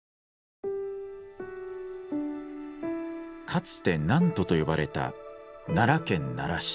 かつて南都と呼ばれた奈良県奈良市。